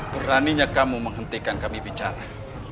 beraninya kamu menghentikan kami bicara